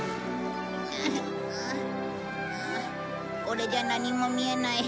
これじゃ何も見えない。